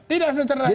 tidak secerdas itu